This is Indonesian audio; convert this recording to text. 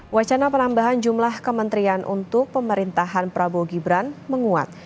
wacana penambahan jumlah kementerian untuk pemerintahan prabowo gibran menguat